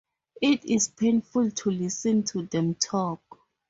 It is painful to listen to them talk.